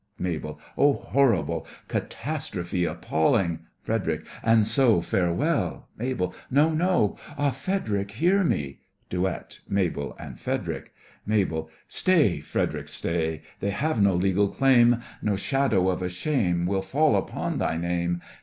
MABEL: Oh, horrible! catastrophe appalling! FREDERIC: And so, farewell! MABEL: No, no! Ah, Frederic, hear me. DUET—MABEL and FREDERIC MABEL: Stay, Fred'ric, stay! They have no legal claim, No shadow of a shame Will fall upon thy name.